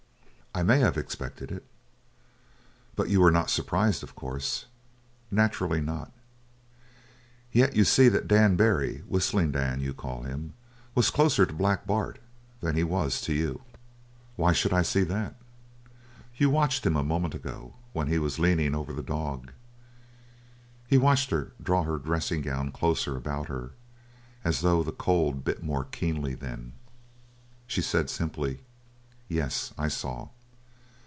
"I may have expected it." "But you were not surprised, of course!" "Naturally not." "Yet you see that Dan Barry Whistling Dan, you call him was closer to Black Bart than he was to you?" "Why should I see that?" "You watched him a moment ago when he was leaning over the dog." He watched her draw her dressing gown closer about her, as though the cold bit more keenly then. She said simply: "Yes, I saw."